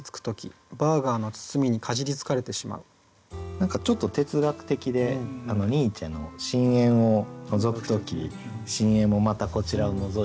何かちょっと哲学的でニーチェの「深淵をのぞく時深淵もまたこちらをのぞいているのだ」。